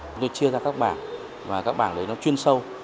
chúng tôi chia ra các bảng và các bảng đấy nó chuyên sâu